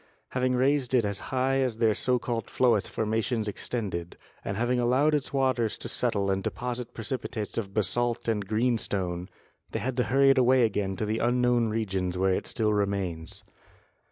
Having raised it as high as their so called Floetz formations extended, and having allowed its waters to settle and deposit precipi tates of basalt and greenstone, they had to hurry it away again to the unknown regions where it still remains.